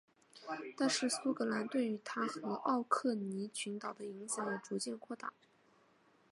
但是苏格兰对于它和奥克尼群岛的影响也逐渐扩大。